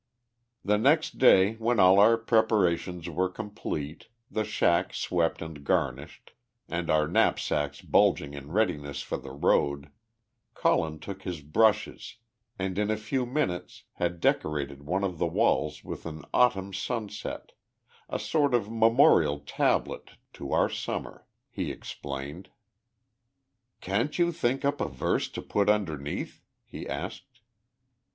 The next day, when all our preparations were complete, the shack swept and garnished, and our knapsacks bulging in readiness for the road, Colin took his brushes, and in a few minutes had decorated one of the walls with an Autumn sunset a sort of memorial tablet to our Summer, he explained. "Can't you think up a verse to put underneath?" he asked.